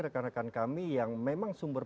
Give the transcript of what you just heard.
rekan rekan kami yang memang sumber